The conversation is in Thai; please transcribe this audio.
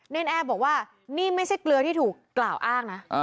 นแอร์บอกว่านี่ไม่ใช่เกลือที่ถูกกล่าวอ้างนะ